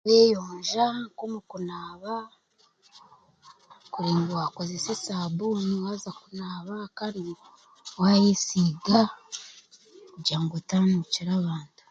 Oreeyonja nk'omu kunaaba, kurengu waakoresa esaabuni waaza kunaaba kandi waayesiga kugira ngu otaanunkira abantu.